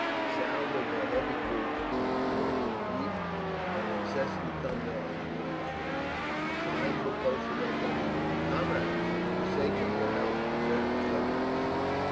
The sound of their heavy boots made a deep and incessant thunder on the wooden floor…. Signs were posted up everywhere: "Comrades! For the sake of your health, preserve cleanliness!"